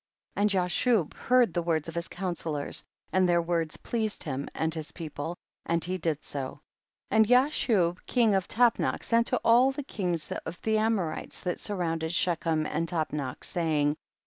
47. And Jashub heard the words of his counsellors, and their words pleased him and his people, and he did so ; and Jashub king of Tapnach sent to all the kings of the Amorites that surrounded IShechem and Tap nach, saying, 48.